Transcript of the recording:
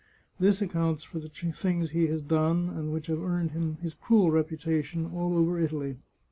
This ac counts for the things he has done and which have earned him his cruel reputation all over Italy.